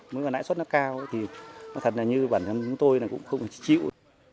nếu mà nãi suất nó cao thì thật là như bản thân chúng tôi cũng không chịu